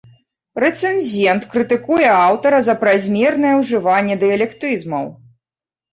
Рэцэнзент крытыкуе аўтара за празмернае ўжыванне дыялектызмаў.